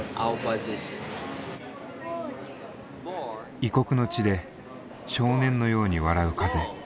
異国の地で少年のように笑う風。